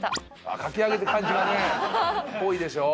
かき上げてる感じがねっぽいでしょ？